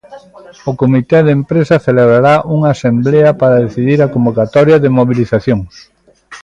O comité de empresa celebrará unha asemblea para decidir a convocatoria de mobilizacións.